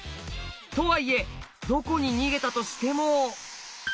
とはいえどこに逃げたとしても。